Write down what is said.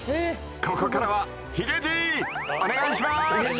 ここからはヒゲじいお願いします！